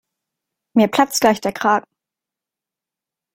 Mir platzt gleich der Kragen.